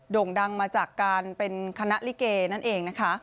่งดังมาจากการเป็นคณะลิเกนั่นเองนะคะ